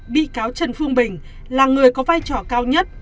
bị cáo trần phương bình là người có vai trò cao nhất